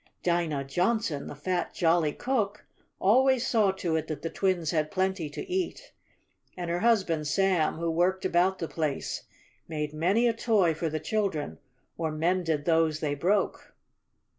Dinah Johnson, the fat, jolly cook, always saw to it that the twins had plenty to eat, and her husband, Sam, who worked about the place, made many a toy for the children, or mended those they broke.